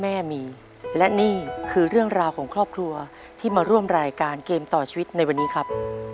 แม่มีและนี่คือเรื่องราวของครอบครัวที่มาร่วมรายการเกมต่อชีวิตในวันนี้ครับ